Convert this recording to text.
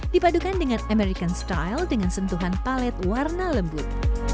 dipadukan dengan american style dengan sentuhan palet warna lembut